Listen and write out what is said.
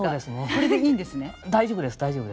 これでいいんですね。